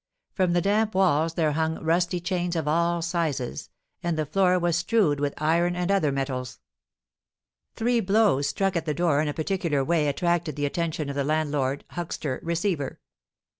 From the damp walls there hung rusty chains of all sizes; and the floor was strewed with iron and other metals. Three blows struck at the door in a particular way attracted the attention of the landlord, huckster, receiver.